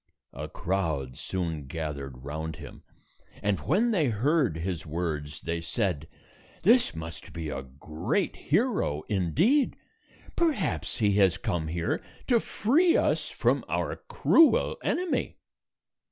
A crowd soon gathered round him, and when they heard his words, they said, "This must be a great hero, indeed. Perhaps he has come here to free us from our cruel enemy."